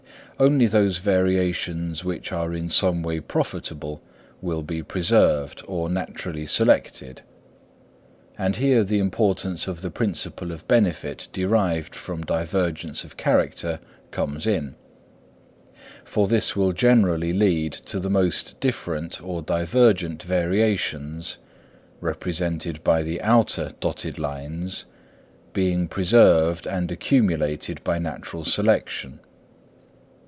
Only those variations which are in some way profitable will be preserved or naturally selected. And here the importance of the principle of benefit derived from divergence of character comes in; for this will generally lead to the most different or divergent variations (represented by the outer dotted lines) being preserved and accumulated by natural selection.